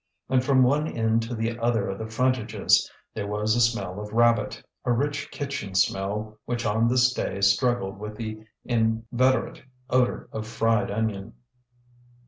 And from one end to the other of the frontages, there was a smell of rabbit, a rich kitchen smell which on this day struggled with the inveterate odour of fried onion.